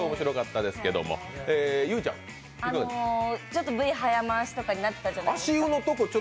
ちょっとＶ早回しとかになってたじゃないですか。